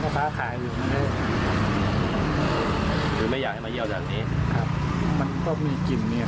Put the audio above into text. แต่ว่าถ้ามีคนมาเยี่ยวก็ไม่อยากให้เยี่ยว